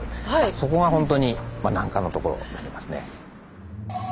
そこが本当に難関のところになりますね。